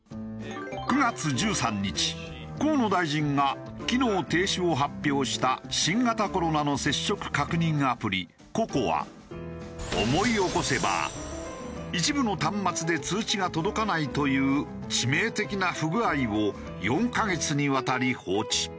９月１３日河野大臣が機能停止を発表した思い起こせば一部の端末で通知が届かないという致命的な不具合を４カ月にわたり放置。